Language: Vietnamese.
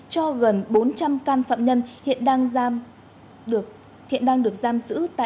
cho gần bốn trăm linh can phạm nhân hiện đang được giam